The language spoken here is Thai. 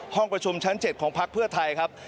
ห้องประชุมชั้น๗ของพักเพื่อไทยครับ